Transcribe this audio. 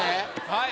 はい。